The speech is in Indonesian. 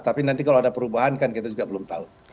tapi nanti kalau ada perubahan kan kita juga belum tahu